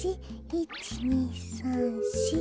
１２３４。